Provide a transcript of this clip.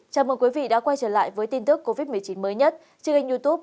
chào mừng quý vị đã quay trở lại với tin tức covid một mươi chín mới nhất trên kênh youtube